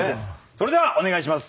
それではお願いします。